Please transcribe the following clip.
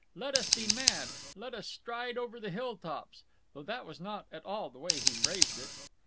Let us be mad! Let us stride over the hilltops. Though that was not at all the way he phrased it.